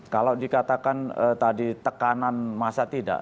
kalau dikatakan tadi tekanan masa tidak